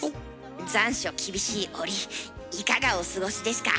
残暑厳しい折いかがお過ごしですか？